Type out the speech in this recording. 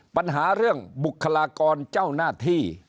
ปัญหาเรื่องบุคลากรเจ้าหน้าที่